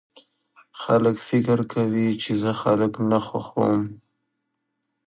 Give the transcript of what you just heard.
خلک فکر کوي چې زه خلک نه خوښوم